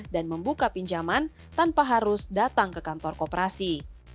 dan membuka pinjaman tanpa harus datang ke kantor koperasi